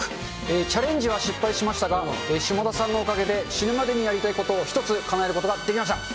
チャレンジは失敗しましたが、下田さんのおかげで死ぬまでにやりたいことの一つ、かなえることができました。